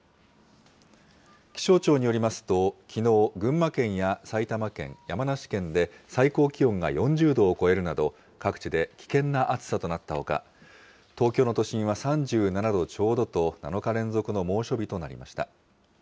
気象庁によりますと、きのう、群馬県や埼玉県、山梨県で最高気温が４０度を超えるなど、各地で危険な暑さとなったほか、東京の都心は３７度ちょうどと、７日連続の猛暑日となりました。